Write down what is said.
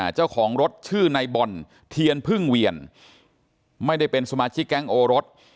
เจ้าของรถชื่อในบอลเทียนพึ่งเวียนไม่ได้เป็นสมาชิกแก๊งโอรส